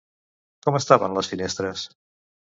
Com estaven les finestres?